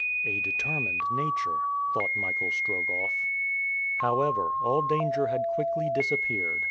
"A determined nature!" thought Michael Strogoff. However, all danger had quickly disappeared.